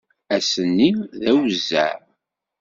Ass-nni d awezzeɛ.